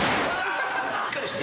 しっかりして。